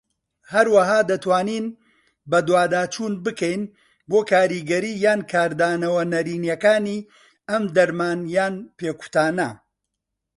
هەروەها دەتوانین بەدواداچوون بکەین بۆ کاریگەریی یان کاردانەوە نەرێنیەکانی ئەم دەرمان یان پێکوتانە.